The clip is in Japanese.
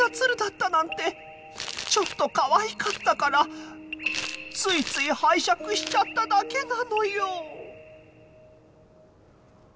ちょっとかわいかったからついつい拝借しちゃっただけなのよ。